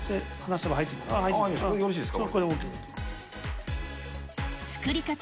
よろしいですか？